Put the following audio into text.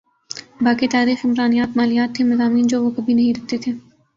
باقی تاریخ عمرانیات مالیات تھے مضامین جو وہ کبھی نہیں رکھتے تھے